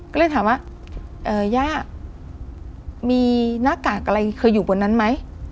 ก็เลยถามว่าย่ามีหน้ากากอะไรเคยอยู่บนนั้นไหม